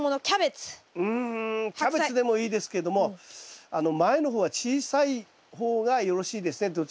キャベツでもいいですけども前の方は小さい方がよろしいですね。